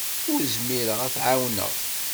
Ur zmireɣ ad t-ɛawneɣ.